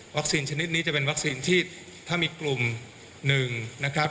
ชนิดนี้จะเป็นวัคซีนที่ถ้ามีกลุ่มหนึ่งนะครับ